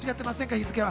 日付は。